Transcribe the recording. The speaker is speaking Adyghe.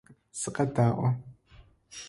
Сыкъэдаӏо.